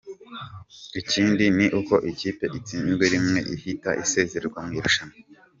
Ikindi ni uko ikipe itsinzwe rimwe ihita isezererwa mu irushanwa.